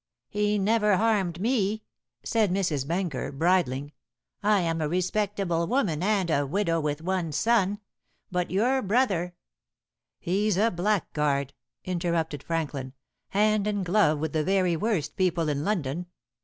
"He never harmed me," said Mrs. Benker, bridling. "I am a respectable woman and a widow with one son. But your brother " "He's a blackguard," interrupted Franklin; "hand and glove with the very worst people in London.